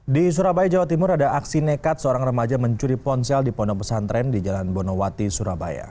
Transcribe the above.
di surabaya jawa timur ada aksi nekat seorang remaja mencuri ponsel di pondok pesantren di jalan bonowati surabaya